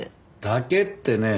「だけ」ってね。